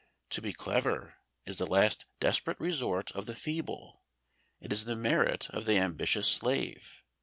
To be clever is the last desperate resort of the feeble, it is the merit of the ambitious slave.